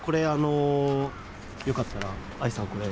よかったら愛さんこれ。